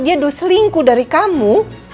dia doselingku dari kamu